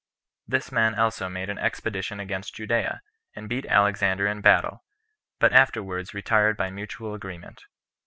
This man also made an expedition against Judea, and beat Alexander in battle; but afterwards retired by mutual agreement.